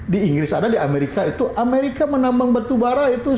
di inggris ada di amerika itu amerika menambang batu barat itu sembilan ratus juta